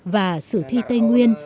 và sử thi tây nguyên